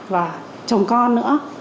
và chồng con nữa